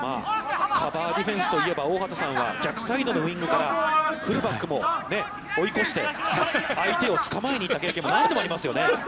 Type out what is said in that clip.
カバーディフェンスといえば、大畑さんは逆サイドのウイングからフルバックも追い越して、相手をつかまえに行った経験も何度もありますよね。